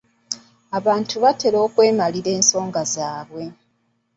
Abantu batera okwemalira ensonga zaabwe.